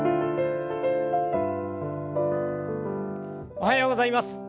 おはようございます。